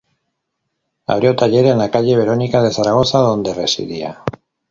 Abrió taller en la calle Verónica de Zaragoza, donde residía.